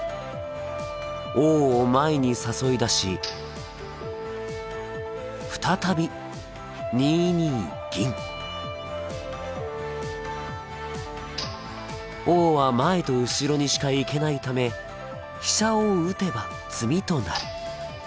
王を前に誘い出し再び２二銀王は前と後ろにしか行けないため飛車を打てば詰みとなる。